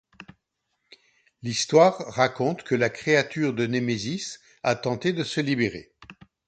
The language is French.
L'histoire raconte que la créature de Nemesis a tenté de se libérer.